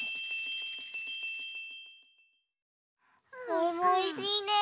おいもおいしいね。